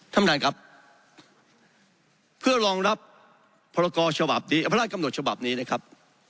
ท่านบาทครับเพื่อรองรับพระราชกำหนดฉบับนี้นะครับ